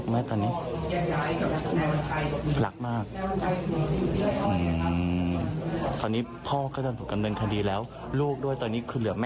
แม่ไม่เห็นใช่ไหม